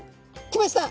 来ました！